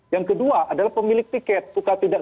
yang kedua adalah pemilik tiket suka tidak